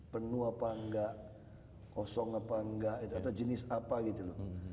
penuh apa enggak kosong apa enggak itu atau jenis apa gitu loh